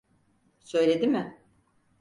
Söyledi mi?